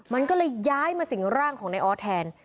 มันก็เลยย้ายมาสิ่งร่างของนายออสแทน